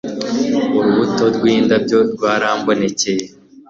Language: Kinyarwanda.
Urubuto rwindabyo rwarambonekeye